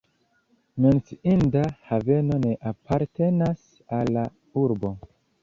Menciinda haveno ne apartenas al la urbo.